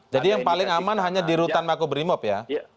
jadi yang paling aman hanya di rutan mako brimob ya